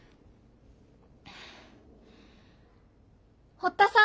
・堀田さん。